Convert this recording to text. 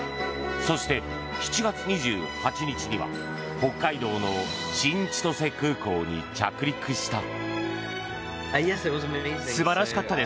そして、７月２８日には北海道の新千歳空港に着陸した。